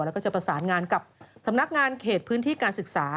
แล้วก็จะประสานงานกับสำนักงานเขตพื้นที่การศึกษา